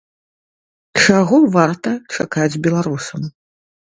Чаго варта чакаць беларусам?